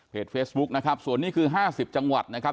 เพจเฟสบุ๊กนะครับส่วนนี้คือห้าสิบจังหวัดนะครับ